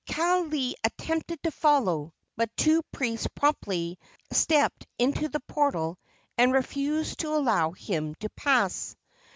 Kaaialii attempted to follow, but two priests promptly stepped into the portal and refused to allow him to pass.